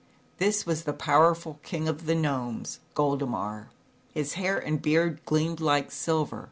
This was the powerful King of the Gnomes, Goldemar. His hair and beard gleamed like ilver